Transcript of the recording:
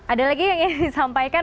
ada lagi yang ingin disampaikan